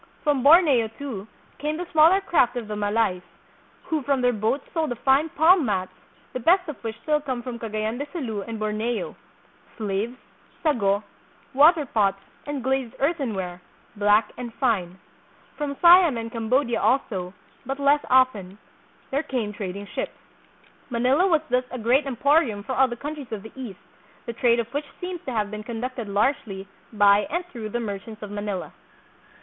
From Borneo, too, came the smaller craft of the Malays, who from their boats sold the fine palm mats, the best of which still come from Cagayan de Sulu and Borneo, slaves, sago, water pots and glazed earthenware, black and fine. From Siam and Cambodia also, but less often, there came trading ships. Manila was thus a great em porium for all the countries of the East, the trade of which seems to have been conducted largely by and through the merchants of Manila.